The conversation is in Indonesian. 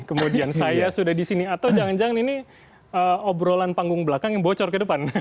kemudian saya sudah di sini atau jangan jangan ini obrolan panggung belakang yang bocor ke depan